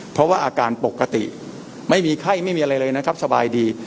เพราะว่าอาการปกติไม่มีไข้ไม่มีอะไรเลยนะครับสบายดี